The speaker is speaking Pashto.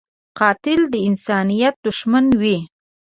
قاتل د انسانیت دښمن وي